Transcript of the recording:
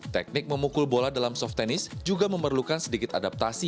teknik memukul bola dalam soft tennis juga memerlukan sedikit adaptasi